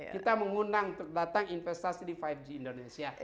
kita mengundang terdapat investasi di lima g indonesia